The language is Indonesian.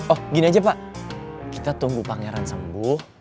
oh gini aja pak kita tunggu pangeran sembuh